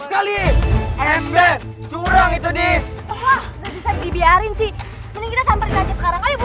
yang nonton tetap disini